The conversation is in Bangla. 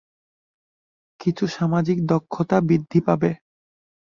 কিছু সামাজিক দক্ষতা বৃদ্ধি পাবে।